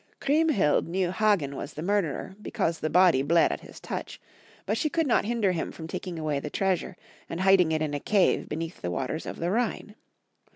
Chriemhild knew Haghen was the murderer, be« cause the body bled at his touch; but she could not hinder him from taking away the treasure and hiding it in a cave beneath the waters of the Rhine.